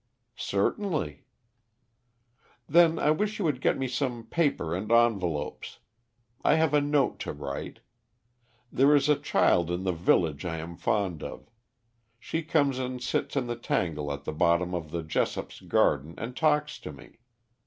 "Certainly." "Then I wish you would get me some paper and envelopes. I have a note to write. There is a child in the village I am fond of. She comes and sits in the tangle at the bottom of the Jessops' garden and talks to me.